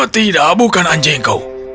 tidak bukan anjingku